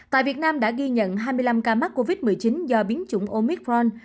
tại việt nam đã ghi nhận hai mươi năm ca mắc covid một mươi chín do biến chủng omicron